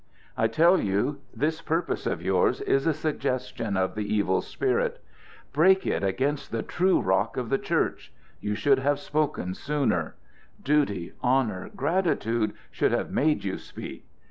"I tell you this purpose of yours is a suggestion of the Evil Spirit. Break it against the true rock of the Church. You should have spoken sooner. Duty, honor, gratitude, should have made you speak.